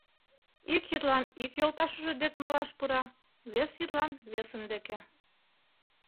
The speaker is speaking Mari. Ик йӱдлан ик йолташыже дек малаш пура, вес йӱдлан — весын деке.